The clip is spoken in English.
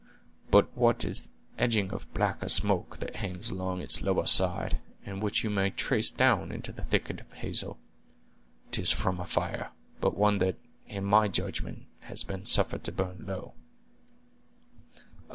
But what is the edging of blacker smoke that hangs along its lower side, and which you may trace down into the thicket of hazel? 'Tis from a fire; but one that, in my judgment, has been suffered to burn low."